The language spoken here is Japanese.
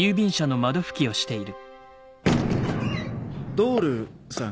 ドールさん？